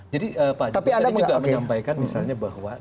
jadi pak ajudan tadi juga menyampaikan misalnya bahwa